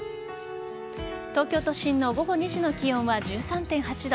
東京都心の午後２時の気温は１３．８度。